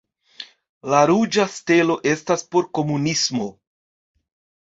La ruĝa stelo estas por Komunismo.